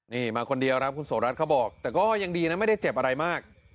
นี่มาคนเดียวครับคุณโสรัสเขาบอกแต่ก็ยังดีนะไม่ได้เจ็บอะไรมาก